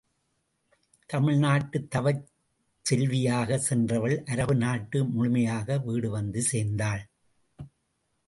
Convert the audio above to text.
தமிழ் நாட்டுத் தவச் செல்வியாகச் சென்றவள் அரபு நாட்டு முழுமையாக வீடு வந்து சேர்ந்தாள்.